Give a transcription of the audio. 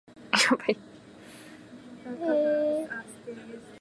He also reports them as having been described as being rather slow to mature.